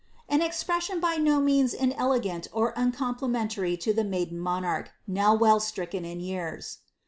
An expression by no means inelegant or uncomplimentary to the maiden monarch, now well stricken in years.